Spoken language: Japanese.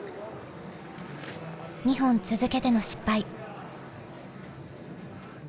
２本続けての失敗。